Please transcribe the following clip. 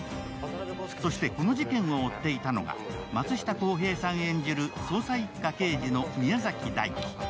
そしてこの事件を追っていたのが松下洸平さん演じる捜査一課刑事の宮崎大輝。